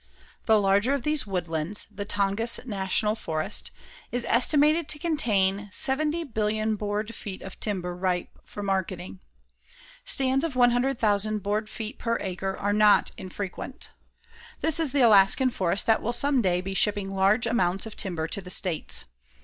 The larger of these woodlands, the Tongass National Forest, is estimated to contain 70,000,000,000 board feet of timber ripe for marketing. Stands of 100,000 board feet per acre are not infrequent. This is the Alaskan forest that will some day be shipping large amounts of timber to the States.